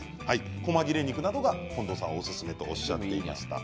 こま切れ肉などが近藤さんはおすすめとおっしゃっていました。